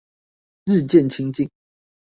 日漸親近